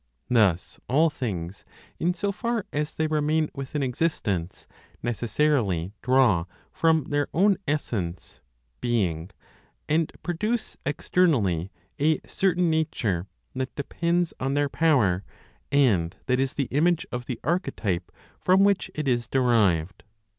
Thus all things, in so far as they remain within existence, necessarily draw from their own essence ("being") and produce externally a certain nature that depends on their power, and that is the image of the archetype from which it is derived.